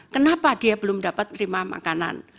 kenapa dia belum dapat terima makanan